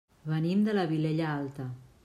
Venim de la Vilella Alta.